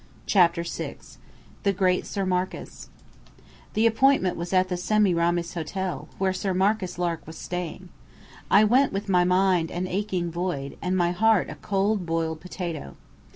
CHAPTER VI THE GREAT SIR MARCUS The appointment was at the Semiramis Hotel, where Sir Marcus Lark was staying. I went with my mind an aching void, and my heart a cold boiled potato.